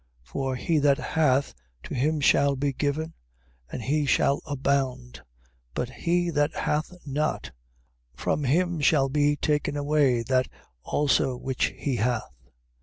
13:12. For he that hath, to him shall be given, and he shall abound: but he that hath not, from him shall be taken away that also which he hath.